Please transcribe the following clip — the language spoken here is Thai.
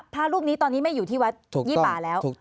พระรูปนี้ตอนนี้ไม่อยู่ที่วัดยี่ป่าแล้ว